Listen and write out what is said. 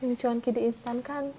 yang cuan ki di instankan